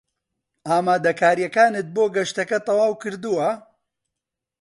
ئامادەکارییەکانت بۆ گەشتەکە تەواو کردووە؟